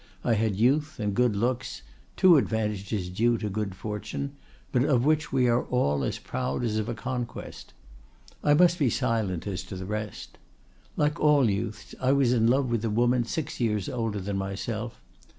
I had youth and good looks, two advantages due to good fortune, but of which we are all as proud as of a conquest. I must be silent as to the rest.—Like all youths, I was in love with a woman six years older than myself.